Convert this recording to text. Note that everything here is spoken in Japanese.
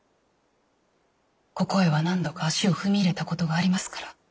ここへは何度か足を踏み入れたことがありますから。